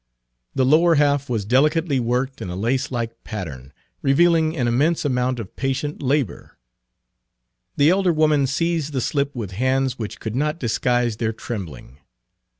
The lower half was delicately worked in a lacelike pattern, revealing an immense amount of patient labor. The elder woman seized the slip with hands which could not disguise their trembling.